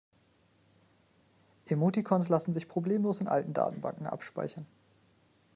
Emoticons lassen sich problemlos in alten Datenbanken abspeichern.